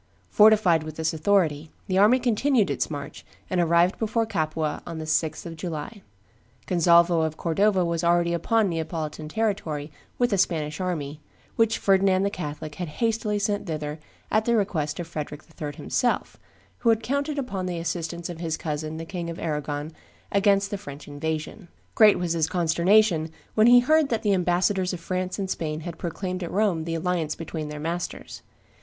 Fortified with this authority, the army continued its march, and arrived before Capua on the 6th of July. Gonzalvo of Cordova was already upon Neapolitan territory with a Spanish army, which Ferdinand the Catholic had hastily sent thither at the request of Frederick III. himself, who had counted upon the assistance of his cousin the King of Arragon against the French invasion. Great was his consternation when he heard that the ambassadors of France and Spain had proclaimed at Rome the alliance between their masters.